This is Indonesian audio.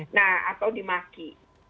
nah atau dimaki